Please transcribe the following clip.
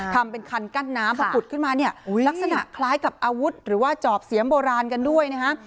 ทำเป็นคันกั้นน้ำพอขุดขึ้นมาเนี่ยลักษณะคล้ายกับอาวุธหรือว่าจอบเสียมโบราณกันด้วยนะฮะ